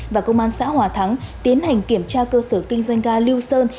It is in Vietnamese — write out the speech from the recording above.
và công an xã hòa thắng tiến hành kiểm tra cơ sở kinh doanh ga lưu sơn